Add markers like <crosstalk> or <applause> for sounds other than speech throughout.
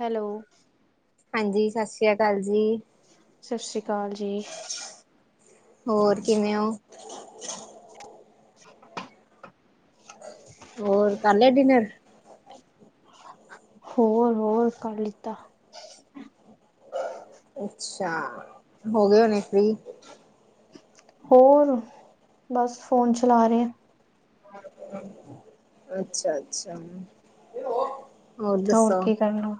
Hello. ਹਾਂਜੀ ਸਤਿ ਸ੍ਰੀ ਅਕਾਲ ਜੀ। ਸਤਿ ਸ਼੍ਰੀ ਅਕਾਲ ਜੀ। ਹੋਰ ਕਿਵੇਂ ਹੋ। <inaudible> ਹੋਰ ਕਰ ਲਿਆ ਡਿਨਰ। ਹੋਰ ਹੋਰ ਕਰ ਲਿਤਾ। ਅੱਛਾ ਹੋ ਗਏ ਹੋਣੇ ਫ੍ਰਰੀ। ਹੋਰ ਬਸ ਫੋਨ ਚਲਾ ਰਹੇ ਹਾਂ। ਅੱਛਾ ਅੱਛਾ। ਹੋਰ ਕੀ ਕਰਨਾ,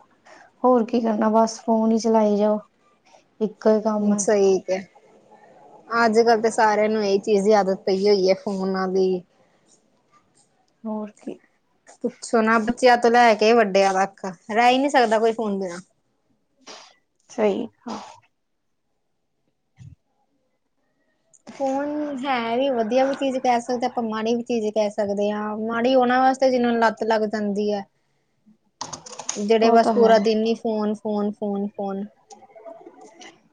ਹੋਰ ਕੀ ਕਰਨਾ ਬਸ ਫੋਨ ਹੀ ਚਲਾਈ ਜਾਓ। ਇੱਕ ਕੰਮ ਹੂੰ ਹੈ ਸਹੀ ਕਿਹਾ ਹੈ। ਅੱਜ ਕੱਲ੍ਹ ਤਾਂ ਸਾਰਿਆਂ ਨੂੰ ਇਹੀ ਚੀਜ਼ ਦੀ ਆਦਤ ਪਈ ਹੋਈ ਹੈ। ਫੋਨਾਂ ਦੀ। ਔਰ ਕੀ। ਪੁੱਛੋ ਨਾ ਬੱਚਿਆਂ ਤੋਂ ਲੈ ਕੇ ਵੱਡਿਆ ਤੱਕ ਵੱਖ ਰਹਿ ਹੀ ਨੀ ਸਕਦਾ ਕੋਈ ਫ਼ੋਨ ਬਿਨਾਂ। ਸਹੀ ਹੈ। ਫੋਨ ਹੈ ਵੀ ਵਧੀਆ ਵੀ ਚੀਜ਼ ਕਹਿ ਸਕਦੇ ਆਪਾਂ ਮਾੜੀ ਵੀ ਚੀਜ਼ ਕਹਿ ਸਕਦੇ। ਹਾਂ ਮਾੜੀ ਉਹਨਾਂ ਵਾਸਤੇ ਜਿਨਾਂ ਨੂੰ ਲੱਤ ਲੱਗ ਜਾਂਦੀ ਹੈ ਜਿਹੜੇ ਉਹ ਬਸ ਤਾਂ ਹੈ ਪੂਰਾ ਦਿਨ ਹੀ ਫੋਨ ਫੋਨ, ਫੋਨ, ਫੋਨ।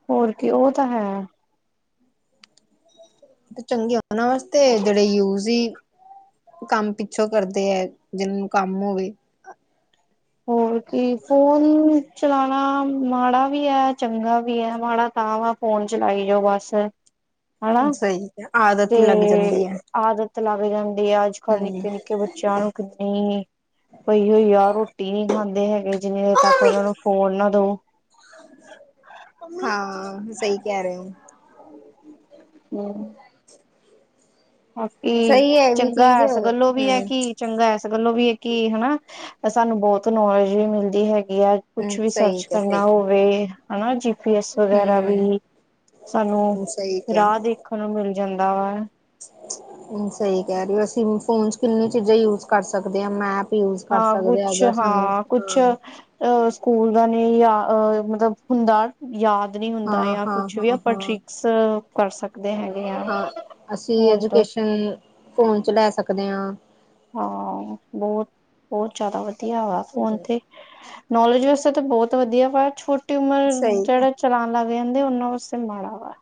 ਹੋਰ ਕੀ ਉਹ ਤਾਂ ਹੈ। ਚੰਗੇ ਉਹਨਾਂ ਵਾਸਤੇ ਜਿਹੜੇ ਯੂਜ ਈ ਕੰਮ ਪਿੱਛੋਂ ਕਰਦੇ ਹੈ ਜਿਹਨਾਂ ਨੂੰ ਕੰਮ ਹੋਵੇ। ਹੋਰ ਕੀ ਫੋਨ ਚਲਾਉਣਾ ਮਾੜਾ ਵੀ ਹੈ ਚੰਗਾ ਵੀ ਹੈ ਮਾੜਾ ਤਾਂ ਵਾ ਫੋਨ ਚਲਾਈ ਜੋ ਬਸ। ਹਨਾ ਸਹੀ। ਆਦਤ ਤੇ ਹੀ ਲੱਗ ਜਾਂਦੀ ਹੈ ਆਦਤ ਲੱਗ ਜਾਂਦੀ ਆ ਅੱਜ ਕੱਲ੍ਹ ਹਮ ਨਿੱਕੇ ਨਿੱਕੇ ਬੱਚਿਆਂ ਨੂੰ ਕਿੰਨੀ ਕੋਈ ਹੋਈ ਆ ਰੋਟੀ ਨਹੀਂ ਖਾਂਦੇ ਹੈਗੇ ਜਿੰਨੀ ਦੇਰ ਤੱਕ ਉਹਨਾਂ ਨੂੰ ਫੋਨ ਨਾ ਦਓ। ਹਾਂ ਸਹੀ ਕਹਿ ਰਹੇ ਹੋ। ਹੂੰ ਬਾਕੀ ਸਹੀ ਹੈ ਇਹ ਵੀ ਚੰਗਾ ਚੀਜ਼ ਇਸ ਗੱਲੋਂ ਵੀ ਹੈ ਹਮ ਕਿ ਚੰਗਾ ਇਸ ਗੱਲੋਂ ਵੀ ਹੈ ਕਿ ਹਨਾ ਸਾਨੂੰ ਬਹੁਤ ਨੌਲੇਜ ਵੀ ਮਿਲਦੀ ਹੈਗੀ ਆ। ਹਮ ਕੁਛ ਵੀ ਸਹੀ ਸਰਚ ਕਿਹਾ ਸਹੀ ਕਰਨਾ ਕਿਹਾ ਹੋਵੇ। ਹਨਾ ਜੀ ਪੀ ਐਸ ਵਗੈਰਾ ਵੀ ਹਮ ਸਾਨੂੰ ਸਹੀ ਰਾਹ ਦੇ ਦੇਖਣ ਨੂੰ ਮਿਲ ਜਾਂਦਾ ਵਾ। ਹੂੰ ਸਹੀ ਕਹਿ ਰਹੇ ਹੋ ਅਸੀਂ ਫੋਨ ਚ ਕਿੰਨੀਆਂ ਚੀਜ਼ਾਂ ਯੂਜ ਕਰ ਸਕਦੇ ਹਾਂ ਮੈਪ ਯੂਜ ਕਰ ਹਾਂ ਸਕਦੇ ਕੁਛ ਅਗਰ ਸਾਨੂੰ ਹਾਂ ਕੁਛ ਅ ਸਕੂਲ ਦਾ ਨੇ ਜਾਂ ਮਤਲਬ ਹੁੰਦਾ। ਯਾਦ ਨਹੀਂ ਹੁੰਦਾ ਹਾਂ ਜਾਂ ਹਾਂ ਕੁਛ ਵੀ ਹਾਂ ਆਪਾਂ ਹਾਂ ਟ੍ਰਿਕਸ ਕਰ ਸਕਦੇ ਹੈਗੇ ਆ। ਹਾਂ, ਅਸੀਂ ਫੋਨ ਤੋਂ ਐਜੂਕੇਸ਼ਨ ਆ। ਫੋਨ ਚ ਲੈ ਸਕਦੇ ਹਾਂ। ਹਾਂ ਬਹੁਤ ਬਹੁਤ ਜ਼ਿਆਦਾ ਵਧੀਆ ਵਾ ਫੋਨ ਤੇ। ਨੌਲੇਜ ਵਾਸਤੇ ਤਾਂ ਬਹੁਤ ਵਧੀਆ ਵਾ ਛੋਟੀ ਉਮਰ ਸਹੀ ਜਿਹੜਾ ਚਲਾਉਣ ਲੱਗ ਜਾਂਦੇ ਉਹਨਾਂ ਵਾਸਤੇ ਮਾੜਾ ਵਾ।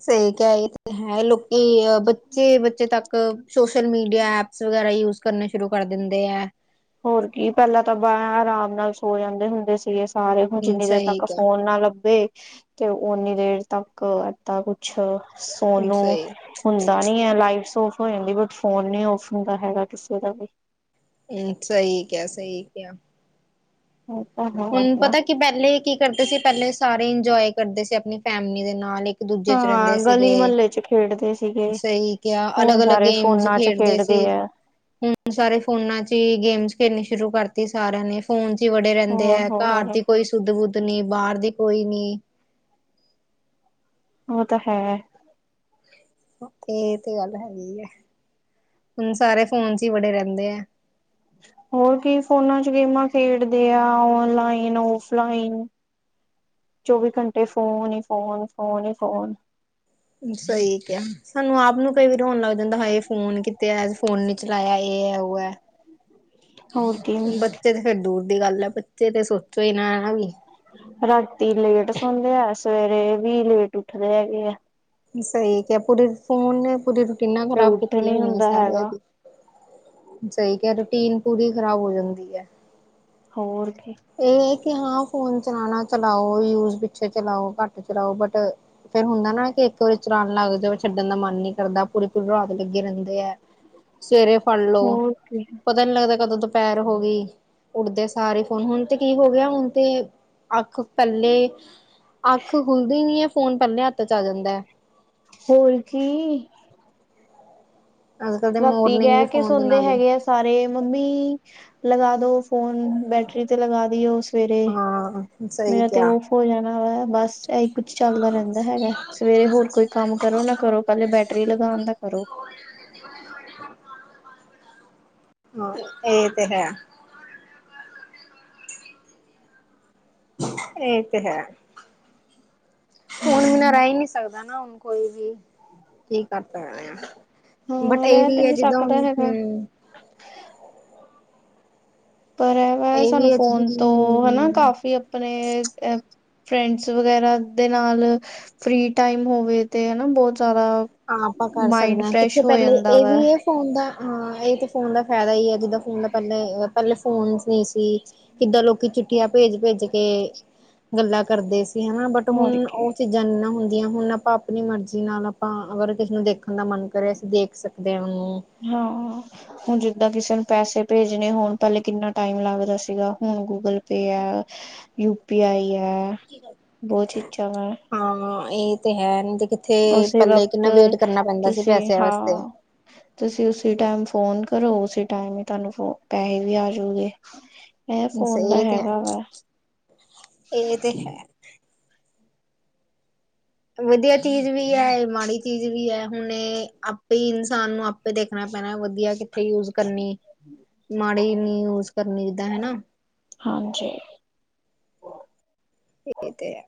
ਸਹੀ ਕਿਹਾ ਇਹ ਤੇ ਹੈ ਲੋਕੀ ਅ ਬੱਚੇ ਬੱਚੇ ਤੱਕ ਇੱਕ ਸੋਸ਼ਲ ਮੀਡੀਆ ਐਪਸ ਵਗੈਰਾ ਯੂਜ ਕਰਨੇ ਸ਼ੁਰੂ ਕਰ ਦਿੰਦੇ ਹੈ। ਹੋਰ ਕੀ ਪਹਿਲਾਂ ਤਾਂ ਬਾਹ ਆਰਾਮ ਨਾਲ ਸੋ ਜਾਂਦੇ ਹੁੰਦੇ ਸੀਗੇ। ਸਾਰੇ ਹੁਣ ਹਮ, ਜਿੰਨੀ ਦੇਰ ਸਹੀ ਤੱਕ ਕਿਹਾ ਫੋਨ ਨਾ ਲੱਭੇ ਤੇ ਓਨੀ ਦੇਰ ਤੱਕ ਤਾਂ ਕੁਛ ਹਮ, ਸੋਨੂੰ ਸਹੀ ਹੁੰਦਾ ਨੀ ਹੈ ਲਾਈਟ ਔਫ ਹੋ ਜਾਂਦੀ ਬਟ ਫੋਨ ਨੀ ਔਫ ਹੁੰਦਾ ਹੈਗਾ ਕਿਸੇ ਦਾ ਵੀ। ਹੂੰ ਸਹੀ ਕਿਹਾ ਸਹੀ ਕਿਹਾ। ਹੁਣ ਹੋਰ <unintelligible> ਪਤਾ ਕਿ ਪਹਿਲੇ ਕੀ ਕਰਦੇ ਸੀ ਪਹਿਲੇ ਸਾਰੇ ਇੰਜੋਏ ਕਰਦੇ ਸੀ ਆਪਣੀ ਫੈਮਿਲੀ ਦੇ ਨਾਲ ਇੱਕ ਦੂਜੇ ਚ ਰਹਿੰਦੇ ਹਾਂ ਗਲੀ ਸੀਗੇ ਮਹੱਲੇ ਚ ਖੇਡਦੇ ਸੀਗੇ ਸਹੀ ਕਿਹਾ ਹੁਣ ਅਲੱਗ-ਅਲੱਗ ਸਾਰੇ ਗੇਮਸ ਫੋਨਾਂ ਚ ਖੇਡਦੇ ਸੀ ਆ। ਹੁਣ ਸਾਰੇ ਫੋਨਾਂ ਚ ਹੀ ਗੇਮਸ ਖੇਡਣੀ ਸ਼ੁਰੂ ਕਰਤੀ ਸਾਰਿਆਂ ਨੇ ਫੋਨ ਚ ਹੀ ਬੜੇ ਰਹਿੰਦੇ। ਹੋਰ ਘਰ ਹੋਰ ਦੀ ਕੋਈ ਸੁੁੱਧ ਬੁੱਧ ਨੀ ਬਾਹਰ ਦੀ ਕੋਈ ਨੀ। ਉਹ ਤਾਂ ਹੈ। ਇਹ ਤੇ ਗੱਲ ਹੈਗੀ ਹੈ ਹੁਣ ਸਾਰੇ ਫੋਨ ਚ ਹੀ ਬੜੇ ਰਹਿੰਦੇ ਆ। ਹੋਰ ਕੀ ਫੋਨਾਂ ਚ ਗੇਮਾਂ ਖੇਡਦੇ ਆ ਓਨਲਾਈਨ ਔਫਲਾਈਨ। ਚੌਵੀ ਘੰਟੇ ਫੋਨ ਹੀ ਫੋਨ ਫੋਨ ਹੀ ਫੋਨ। ਸਹੀ ਕਿਹਾ ਸਾਨੂੰ ਆਪ ਨੂੰ ਕਈ ਵਾਰੀ ਹੋਣ ਲੱਗ ਜਾਂਦਾ ਹਾ ਫੋਨ ਕਿਤੇ ਐ ਫੋਨ ਨੀ ਚਲਾਇਆ ਇਹ ਹੈ ਉਹ ਹੈ। ਹੋਰ ਕੀ ਬੱਚੇ ਤੇ ਫਿਰ ਦੂਰ ਦੀ ਗੱਲ ਆ ਬੱਚੇ ਤੇ ਸੋਚੋ ਹੀ ਨਾ ਹਨਾ ਵੀ। ਰਾਤੀ ਲੇਟ ਸੌਣਦੇ ਆ ਸਵੇਰੇ ਵੀ ਲੇਟ ਉੱਠਦੇ ਹੈਗੇ ਆ। ਸਹੀ ਕਿਹਾ ਪੂਰੀ ਫੋਨ ਨੇ ਪੂਰੀ ਰੂਟੀਨਾ ਫਿਰ ਖ਼ਰਾਬ ਉੱਠ ਕੀਤੀਆਂ ਨੀ ਹੋਈਆਂ ਹੁੰਦਾ ਸਾਰੀਆਂ ਹੈਗਾ ਦੀ। ਸਹੀ ਕਿਹਾ ਹੈ ਰੂਟੀਨ ਪੂਰੀ ਖ਼ਰਾਬ ਹੋ ਜਾਂਦੀ ਹੈ। ਹੋਰ ਕੀ। ਇਹ ਹੈ ਕਿ ਹਾਂ ਫੋਨ ਚਲਾਉਣਾ ਚਲਾਓ ਯੂਜ ਪਿੱਛੇ ਚਲਾਓ ਘੱਟ ਚਲਾਓ ਬਟ ਫਿਰ ਹੁੰਦਾ ਨਾ ਕਿ ਇੱਕ ਵਾਰੀ ਚਲਾਨ ਲੱਗ ਜੇ ਉਹ ਛੱਡਣ ਦਾ ਮਨ ਨਹੀਂ ਕਰਦਾ ਪੂਰੀ ਪੂਰੀ ਰਾਤ ਲੱਗੇ ਰਹਿੰਦੇ ਹੈ। ਸਵੇਰੇ ਫੜ ਲੋ ਹੋਰ ਕੀ ਪਤਾ ਨੀ ਲੱਗਦਾ ਕਦੋਂ ਦੁਪਹਿਰ ਹੋ ਗਈ ਉਠਦੇ ਸਾਰ ਹੀ ਹੁਣ ਹੁਣ ਤੇ ਕੀ ਹੋ ਗਿਆ ਹੁਣ ਤੇ ਅੱਖ ਪਹਿਲੇ ਅੱਖ ਖੁੱਲਦੀ ਨਹੀਂ ਹੈ ਫੋਨ ਪਹਿਲੇ ਹੱਥ ਚ ਆ ਜਾਂਦਾ ਹੈ। ਹੋਰ ਕੀ। ਅੱਜ ਕੱਲ ਦੇ ਰਾਤੀ ਮੋਰਨਿੰਗ ਵੀ ਕਹਿ ਕੇ ਫੋਨ ਦੇ ਸੁਣਦੇ ਨਾਲ ਹੀ ਹੈਗੇ ਆ। ਸਾਰੇ ਮੰਮੀ ਲਗਾ ਦੋ ਫੋਨ ਬੈਟਰੀ ਤੇ ਲਗਾ ਦੀਓ ਉਸ ਸਵੇਰੇ ਹਾਂ ਸਹੀ ਮੇਰਾ ਤੇ ਕਿਹਾ ਔਫ ਹੋ ਜਾਣਾ ਵਾ ਬਸ। ਇਹੀ ਕੁੱਛ ਚੱਲਦਾ ਰਹਿੰਦਾ ਹੈਗਾ ਸਵੇਰੇ ਹੋਰ ਕੋਈ ਕੰਮ ਕਰੋ ਨਾ ਕਰੋ ਪਹਿਲੇ ਬੈਟਰੀ ਲਗਾਉਣ ਦਾ ਕਰੋ। ਇਹ ਤੇ ਹੈ। ਇਹ ਤੇ ਹੈ। ਫੋਨ ਬਿਨਾ ਹੂੰ। ਰਹਿ ਨੀ ਸਕਦਾ ਨਾ ਹੁਣ ਕੋਈ ਵੀ ਕੀ ਕਰ ਸਕਦੇ ਆ। ਬਟ ਹਾਂ ਇਹ ਰਹਿ ਤੇ ਵੀ ਹੈ ਨੀ ਜਿੱਦਾਂ ਸਕਦਾ ਹੁਣ ਹੈਗਾ। ਹੂੰ। ਪਰ ਇਹ ਵਾ ਸਾਨੂੰ ਵੀ ਹੈ ਜਿੱਦਾਂ ਫੋਨ ਤੋਂ ਹਨਾ ਹਮ ਕਾਫੀ ਆਪਣੇ ਫਰੈਂਡਸ ਵਗੈਰਾ ਦੇ ਨਾਲ ਫ੍ਰੀ ਟਾਈਮ ਹੋਵੇ ਤੇ ਹਨਾ ਬਹੁਤ ਜ਼ਿਆਦਾ ਹਾਂ ਆਪਾਂ ਕਰ ਸਕਦੇ ਮਾਇੰਡ ਹਾਂ ਕਿੱਥੇ ਫਰੈਸ਼ ਹੋ ਪਹਿਲੇ ਜਾਂਦਾ ਇਹ ਵਾ ਵੀ ਹੈ ਫੋਨ ਦਾ ਆਂ ਏਹ ਤਾਂ ਫੋਨ ਦਾ ਫੈਦਾ ਈ ਐ ਜਿੱਦਾਂ ਫੋਨ ਦਾ ਪੈਲੇ-ਪੈਲੇ ਫੋਨਸ ਨਹੀਂ ਸੀ। ਕਿੱਦਾਂ ਲੋਕੀ ਚਿੱਠੀਆਂ ਭੇਜ-ਭੇਜ ਕੇ ਗੱਲਾਂ ਕਰਦੇ ਸੀ। ਹਨਾ ਬਟ ਹੋਰ ਹੁਨ ਕੀ ਉਹ ਚੀਜ਼ਾਂ ਨੀ ਨਾ ਹੁੰਦੀਆਂ ਹੁਣ ਆਪਾਂ ਆਪਨੀ ਮਰਜ਼ੀ ਨਾਲ ਹਾਂ ਅਗਰ ਕਿਸੇ ਨੂੰ ਦੇਖਨ ਦਾ ਮਨ ਕਰੇ ਅਸੀਂ ਦੇਖ ਸਕਦੇ ਆਂ ਓਨੂੰ। ਹਾਂ। ਹੁਨ ਜਿੱਦਾਂ ਕਿਸੇ ਨੂੰ ਪੈਸੇ ਭੇਜਨੇ ਹੋਨ ਪੈਲੇ ਕਿੰਨਾ ਟਾਈਮ ਲੱਗਦਾ ਸੀਗਾ ਹੁਨ ਗੂਗਲ ਪੇ ਐ। ਯੂ ਪੀ ਆਈ ਐ। ਹਾਂ ਏਹ ਤੇ ਹੈ ਨੀ ਤੇ ਥੇ ਉਸੇ ਪਹਿਲੇ ਵਕਤ ਕਿੰਨਾ ਵੇਟ ਕਰਨਾ ਪੈਂਦਾ ਸੀ ਤੁਸੀਂ ਪੈਸਿਆਂ ਵਾਸਤੇ। ਹਾਂ ਤੁਸੀਂ ਉਸੀ ਟਾਈਮ ਫੋਨ ਕਰੋ ਉਸੇ ਟਾਈਮ ਈ ਤੁਹਾਨੂੰ ਪੈਸੇ ਵੀ ਆਜੂਗੇ। ਐ ਫੋਨ ਦਾ ਹੈਗਾ ਵਾ। ਏਹ ਤੇ ਹੈ। ਵਦੀਆ ਚੀਜ਼ ਵੀ ਐ ਇਹ ਮਾੜੀ ਚੀਜ਼ ਵੀ ਐ ਹੁਨ ਇਹ ਆਪੇ ਇਨਸਾਨ ਨੂੰ ਆਪੇ ਦੇਖਨਾ ਪੈਨਾ ਵਦੀ ਵਦੀਆ ਕਿੱਥੇ ਯੂਜ ਕਰਨੀ ਮਾੜੀ ਇਨੀ ਯੂਜ ਕਰਨੀ ਜਿਦਾਂ ਹਨਾ। ਹਾਂਜੀ। ਏ ਤੇ ਹੈ।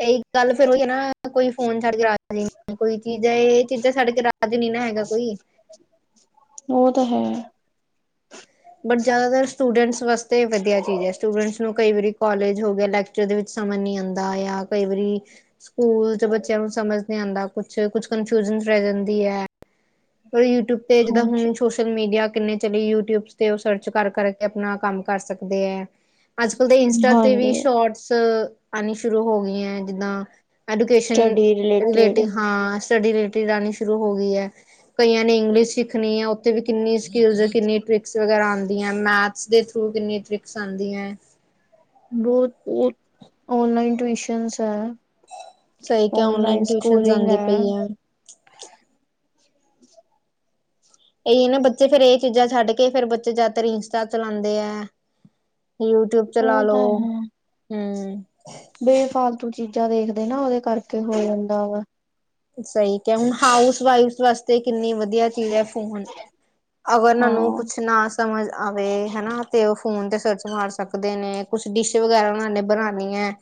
ਇਹੀ ਗੱਲ ਫਿਰ ਓਹੀ ਐ ਨਾ ਕੋਈ ਫੋਨ ਛੱਡ ਕੇ ਆ ਕੋਈ ਚੀਜ਼ ਏ ਚੀਜ਼ਾਂ ਛਡ ਕੇ ਰਾਜ ਨੀ ਨਾ ਹੈਗਾ ਕੋਈ। ਓ ਤਾਂ ਹੈ। ਬਟ ਜ਼ਿਆਦਾਤਰ ਸਟੂਡੈਂਟਸ ਵਾਸਤੇ ਵਦੀਆ ਚੀਜ਼ ਐ ਸਟੂਡੈਂਟਸ ਨੂੰ ਕਈ ਵਾਰੀ ਕੋਲਜ ਹੋ ਗਿਆ ਲਾਇਕ ਲੈਕਚਰ ਦੇ ਵਿੱਚ ਸਮਝ ਨੀ ਆਂਦਾ ਜਾਂ ਕਈ ਵਾਰੀ ਸਕੂਲ ਚ ਬੱਚਿਆਂ ਨੂੰ ਸਮਝ ਨੀ ਆਂਦਾ ਕੁੱਛ-ਕੁੱਛ ਕਨਫਿਊਜਨ ਰੈ ਜਾਂਦੀ ਐ। ਕੋਈ ਟੁੱਟੇ ਜਿੱਦਾਂ ਹਾਂਜੀ ਹੂੰ ਸੋਸ਼ਲ ਮੀਡੀਆ ਕਿੰਨੇ ਚਲੀ ਯਟਿਊਬਜ਼ ਤੇ ਓ ਸਰਚ ਕਰ-ਕਰ ਕੇ ਆਪਨਾ ਕੰਮ ਕਰ ਸਕਦੇ ਐ। ਅੱਜ-ਕੱਲ ਤੇ ਇੰਸਟਾ ਤੇ ਵੀ ਹਾਂਜੀ ਸ਼ੋਰਟਸ ਆਨੀ ਸ਼ੁਰੂ ਹੋ ਗਈ ਐ ਜਿੱਦਾਂ ਐਡੂਕੇਸ਼ਨ ਰਿਲੇਟਿਡ ਹਾਂ ਸਟੱਡੀ ਰਿਲੇਟਿਡ ਆਣੀ ਸ਼ੁਰੂ ਹੋ ਗਈ ਐ। ਕਈਆਂ ਨੇ ਇੰਗਲਿਸ਼ ਸਿੱਖਨੀ ਐ ਓਥੇ ਵੀ ਕਿੰਨੀ ਸਕਿੱਲਜ਼ ਕਿੰਨੀ ਟ੍ਰਿਕਸ ਵਗੈਰਾ ਆਂਦੀਆਂ ਐ ਮੈਥਸ ਦੇ ਥਰੂ ਕਿੰਨੀ ਟਰਿਕ ਸਾਂਦੀਐ ‌। ਬੋਤ-ਬੋਤ ਔਨਲਾਈਨ ਟਿਊਸ਼ਨਸ ਐ। ਸਹੀ ਕਿਆ ਔਨਲਾਈਨ ਟਿਊਸ਼ਨਸ ਸਕੂਲਿੰਗ ਆਂਦੀ ਐ। ਪਈ ਆ। ਇਹੀ ਨਾ ਬੱਚੇ ਫੇਰ ਇਹ ਚੀਜ਼ਾਂ ਛੱਡ ਕੇ ਫੇਰ ਬੱਚੇ ਜਿਆਦਾਤਰ ਇੰਸਟਾ ਚਲਾਂਦੇ ਐ। ਯੂਟਿਊਬ ਚਲਾ ਉਹ ਲੋ, ਤਾਂ ਹੈ ਹੂੰ। ਬੇਫਾਲਤੂ ਚੀਜ਼ਾਂ ਦੇਖਦੇ ਨਾ ਓਦੇ ਕਰਕੇ ਹੋ ਜਾਂਦਾ ਵਾ। ਸਈ ਕਿਆ ਹੁਨ ਹਾਊਸ ਵਾਈਫਸ ਵਾਸਤੇ ਕਿੰਨੀ ਵਦੀਆ ਚੀਜ਼ ਐ ਫੋਨ। ਅਗਰ ਓਨਾਂ ਹਾਂ ਨੂੰ ਕੁਛ ਨਾ ਸਮਝ ਆਵੇ ਹਨਾ ਤੇ ਓ ਫੋਨ ਤੇ ਸਰਚ ਮਾਰ ਸ ਸਕਦੇ ਨੇ ਕੁਛ ਡਿਸ਼ ਵਗੈਰਾ ਓਨਾਂ ਨੇ ਬਨਾਣੀ ਐ।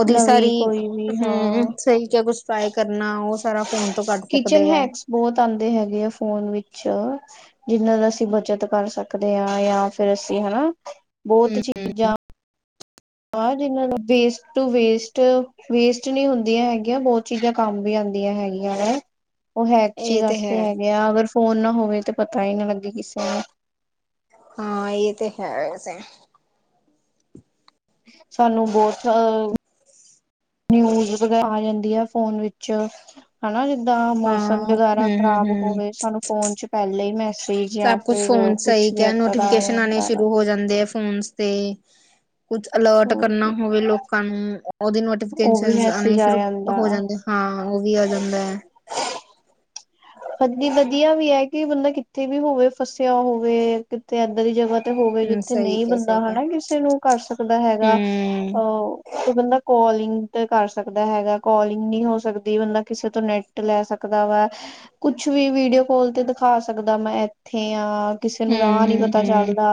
ਓਦੀ ਨਵੀਂ ਸਾਰੀ ਕੋਈ ਵੀ ਹਾਂ ਹੂੰ ਸਈ ਕਿਆ ਕੁਛ ਪਾਏ ਨਾ ਓ ਸਾਰਾ ਫੋਨ ਤੋਂ ਕੱਢ ਸਕਦੇ ਐ। ਬੋਤ ਆਂਦੇ ਹੈਗੇ ਆ ਫੋਨ ਵਿੱਚ, ਜਿੰਨਾਂ ਦਾ ਅਸੀਂ ਬੱਚਤ ਕਰ ਸਕ ਸਕਦੇ ਆ ਜਾਂ ਫਿਰ ਅਸੀਂ ਹਨਾ ਬੋਤ ਹਮ ਚੀਜ਼ਾਂ ਆਂ ਜਿਨਾਂ ਨੂੰ ਵੇਸਟ ਟੂ ਵੇਸਟ ਵੇਸਟ ਨੀ ਹੁੰਦੀਆਂ ਹੈਗੀਆਂ ਬੋਤ ਚੀਜ਼ਾਂ ਕੰਮ ਵੀ ਆਂਦੀਆਂ ਹੈਗੀਆਂ ਨੇ। ਓ ਹੈਕਚੀ ਇਹ ਤੇ ਦੱਸਦੇ ਹੈ ਹੈਗੇ ਆ ਅਗਰ ਫੋਨ ਨਾ ਹੋਵੇ ਤਾਂ ਪਤਾ ਈ ਨਾ ਲੱਗੇ ਕਿਸੇ ਨੂੰ। ਹਾਂ ਏ ਤੇ ਹੈ ਵੈਸੇ। ਸਾਨੂੰ ਬੋਤ ਅ ਨਿਊਜ਼ ਵਗੈਰਾ ਆ ਜਾਂਦੀ ਐ, ਫੋਨ ਵਿੱਚ। ਹਨਾ ਜਿੱਦਾਂ ਹਾਂ ਮੌਸਮ ਹਮ ਵਗੈਰਾ ਹਮ ਖ਼ਰਾਬ ਹਮ ਹੋਵੇ ਸਾਨੂੰ ਫੋਨ 'ਚ ਪੈਲੇ ਈ ਮੈ ਸਭ ਕੁਛ ਫੋਨ ਸਈ ਕੈ ਦਾ ਆ ਨੋਟੀਫਿਕੇਸ਼ਨ ਆਨੇ ਜਾਂਦਾ ਵਾ ਸ਼ੁਰੂ ਹੋ ਜਾਂਦੇ ਐ। ਫੋਨਸ ਤੇ ਕੁਛ ਅਲਰਟ ਹੋਰ ਕਰਨਾ ਕੀ ਹੋਵੇ ਲੋਕਾਂ ਨੂੰ। ਓਦੇ ਉਹ ਵੀ ਨੋਟੀਫਿਕੇਸ਼ਨ ਆਨੇ ਮੈਸੇਜ ਆ ਸ਼ੁਰੂ ਜਾਂਦਾ ਹੋ ਜਾਂਦੇ ਹਾਂ, ਓ ਵੀ ਆ ਜਾਂਦੈ। <inaudible> ਹਾਂਜੀ ਵਧੀਆ, ਵੀ ਐ ਕਿ ਬੰਦਾ ਕਿੱਥੇ ਵੀ ਹੋਵੇ ਫਸਿਆ ਹੋਵੇ ਕਿਤੇ ਏਦਾਂ ਦੀ ਜਗ੍ਹਾ ਹੋਵੇ ਹਮ ਜਿੱਥੇ ਸਹੀ ਨਈ ਕਿਹਾ ਸਹੀ ਬੰਦਾ ਕਿਹਾ ਹਨਾ ਕਿਸੇ ਨੂੰ ਕਰ ਸਕਦਾ ਹੈਗਾ ਹਮ ਓ ਤੇ ਬੰਦਾ ਕੋਲਿੰਗ ਤੇ ਕਰ ਸਕਦਾ ਹੈਗਾ, ਕੋਲਿੰਗ ਨੀ ਹੋ ਸਕਦੀ ਬੰਦਾ ਕਿਸੇ ਤੋਂ ਨੈਟ ਟ ਲੈ ਸਕਦਾ ਵਾ, ਕੁਛ ਵੀ ਵੀਡੀਓ ਕਾਲ ਤੇ ਦਿਖਾ ਸਕਦਾ ਮੈਂ ਐਥੇ ਆ। ਕਿਸੇ ਨੂੰ ਰਾਹ ਹਮ ਨੀ ਹਮ ਪਤਾ ਹਮ ਚੱਲਦਾ।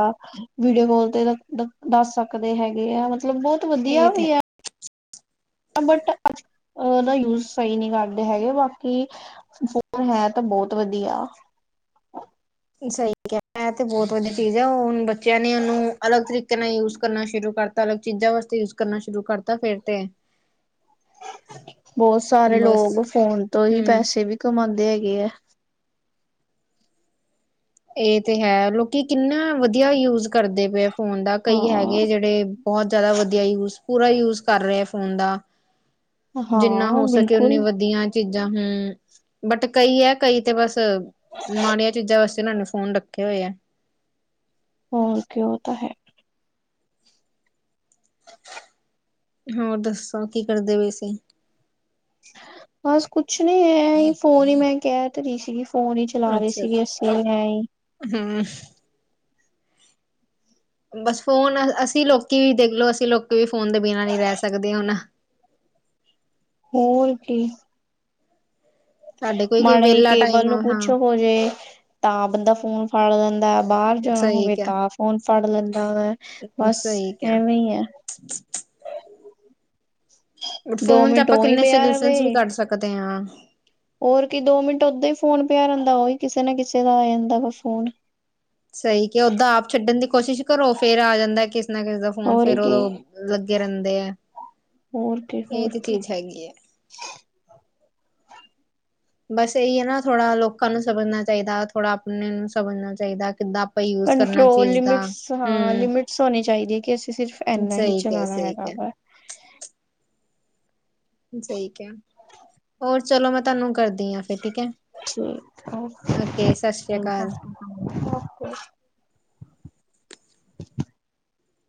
ਵੀਡੀਓ ਕਾਲ ਤੇ <unintelligible> ਦੱਸ ਸਕਦੇ ਹੈਗੇ ਆ, ਮਤਲਬ ਬੋਤ ਵਧੀਆ ਇਹ ਤੇ ਵੀ ਐ। ਬਟ ਅੱਜ ਓਦਾ ਯੂਜ ਸਈ ਨੀ ਕਰਦੇ ਹੈਗੇ ਬਾਕੀ ਫੋਨ ਹੈ ਤਾ ਬੋਤ ਵਧੀਆ। ਸਈ ਕਯਾ ਐ ਤੇ ਬੋਤ ਵਧੀਆ ਚੀਜ਼ ਐ, ਹੁਨ ਬੱਚਿਆਂ ਨੇ ਓਨੂੰ ਅਲੱਗ ਤਰੀਕੇ ਨਾਲ ਯੂਜ ਕਰਨਾ ਸ਼ੁਰੂ ਕਰ ਦਿ ਤਾ ਅਲਗ ਚੀਜ਼ਾਂ ਵਾਸਤੇ ਯੂਜ ਕਰਨਾ ਸ਼ੁਰੂ ਕਰਤਾ ਫਿਰ ਤੇ ਬੋਤ ਸਾਰੇ ਬਸ ਲੋਕ ਫੋਨ ਤੋਂ ਹੀ ਹਮ ਪੈਸੇ ਵੀ ਕਮਾਂਦੇ ਹੈਗੇ ਐ। ਏ ਤੇ ਹੈ ਲੋਕੀ ਕਿੰਨਾ ਵਧੀਆ ਯੂਜ ਕਰਦੇ ਪਏ ਫੋਨ ਦਾ, ਕਈ ਹਾਂ ਹੈਗੇ ਜੇੜੇ ਬੋਤ ਜਾਦਾ ਵਧੀਆ ਯੂਜ, ਪੂਰਾ ਯੂਜ ਕਰ ਰਏ ਫੋਨ ਦਾ। ਜਿੰਨਾ ਹਾਂ ਹੋ ਸਕੇ ਬਿਲਕੁਲ ਉਨੀ ਵਧੀਆ ਚੀਜ਼ਾਂ ਹੂੰ, ਬਟ ਕਈ ਹੈ ਕਈ ਤੇ ਬਸ ਮਾੜੀਆਂ ਚੀਜ਼ਾਂ ਵਸ ਏਨਾਂ ਨੇ ਫੋਨ ਰੱਖੇ ਹੋਏ ਐ। ਹੋਰ ਕਿ ਓ ਤਾਂ ਹੈ। ਹੋਰ ਦੱਸੋ ਕੀ ਕਰਦੇਂ ਪਏ ਸੀ? ਬਸ ਕੁਛ ਨੀ ਐ ਈ ਫੋਨ ਈ ਮੈਂ ਕੈ ਤੇ ਰੀ ਸੀਗੀ ਫੋਨ ਈ ਚਲਾਂ ਰੇ ਅੱਛਾ ਸੀਗੀ ਅੱਸੀਂ ਐਈ। ਹੂੰ। ਬਸ ਫੋਨ ਅਸੀਂ ਲੋਕੀ ਵੀ ਦੇਖਲੋ, ਅਸੀਂ ਲੋਕੀ ਵੀ ਫੋਨ ਦੇ ਬਿਨਾਂ ਨੀ ਰੈ ਸਕਦੇ ਹੁਨ। ਹੋਰ ਕੀ ਸਾਡੇ ਕੋਈ ਕੋਈ ਮਾੜਾ ਜੇ ਵਿਹਲਾ ਕੇਬਲ ਟਾਈਮ ਨੂੰ ਹਾਂ ਕੁੱਛ ਹੋ ਜੇ ਤਾਂ ਬੰਦਾ ਫੋਨ ਫੜ ਲੈਂਦਾ, ਬਾਰ ਜਾਣਾ ਸਹੀ ਹੋਵੇ ਕਿਹਾ ਤਾਂ ਫੋਨ ਫੜ ਲੈਂਦਾ ਹੈਗਾ। ਬਸ ਸਹੀ ਕਿਹਾ ਐਵੇਂ ਈ ਐ। ਫੋਨ 'ਚ ਆਪਾਂ ਕਿੰਨੇ ਸੋਲਿਊਸ਼ਨ ਵੀ ਕੱਢ ਸਕਦੇ ਆਂ। ਔਰ ਕੀ ਦੋ ਮਿੰਟ ਉਦਾਂ ਹੀ ਫੋਨ ਪਿਆ ਰੈਦਾ ਓਹੀ ਕਿਸੇ ਨਾ ਕਿਸੇ ਦਾ ਆ ਜਾਂਦਾ ਵਾ ਫੋਨ। ਸਈ ਕਯਾ ਓਦਾਂ ਆਪ ਛੱਡਨ ਦੀ ਕੋਸ਼ਿਸ਼ ਕਰੋ ਫੇਰ ਆ ਜਾਂਦਾ ਕਿਸੇ ਨਾ ਕਿਸੇ ਦਾ ਫੋਨ ਹੋਰ ਫੇਰ ਕੀ ਓਦੋਂ ਲੱਗੇ ਰੈਂਦੇ ਐ, ਹੋਰ ਕੀ ਏ ਹੋਰ ਤੇ ਕੀ ਚੀਜ਼ ਹੈਗੀ‌ ਏ। ਬਸ ਏਈ ਹੈ ਨਾ ਥੋੜਾ ਲੋਕਾਂ ਨੂੰ ਸਮਝਨਾ ਚਾਈਦਾ ਥੋੜ੍ਹਾ ਅਪਨੇ ਨੂੰ ਸਮਝਨਾ ਚਾਈਦਾ ਕਿੱਦਾਂ ਆਪਾਂ ਯੂਜ ਕਰਨਾ ਕੰਟਰੋਲ ਚੀਜ਼ ਦਾ। ਲਿਮਿਟਸ ਹਾਂ ਹੂੰ ਲਿਮਿਟਸ ਹੋਨੀ ਚਾਈਦੀ ਐ ਕਿ ਅਸੀਂ ਸਿਰਫ਼ ਏਨਾਂ ਹੀ ਸਹੀ ਕਿਹਾ ਚਲਾਣਾ ਸਹੀ ਹੈਗਾ ਕਿਹਾ ਵਾ‌। ਸਈ ਕਯਾ ਹੋਰ ਚਲੋ ਮੈਂ ਤੁਹਾਨੂੰ ਕਰਦੀ ਆਂ ਫਿਰ ਠੀਕ ਐ, ਓਕੇ ਸਸ ਸ੍ਰੀ ਸਤਿ ਅਕਾਲ। ਓਕੇ।